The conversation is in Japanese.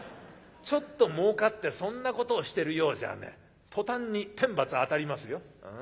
ちょっともうかってそんなことをしてるようじゃね途端に天罰当たりますよ。